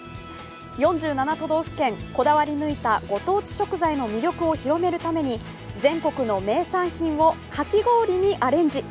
４７都道府県、こだわり抜いたご当地食材の魅力を広めるために全国の名産品をかき氷にアレンジ。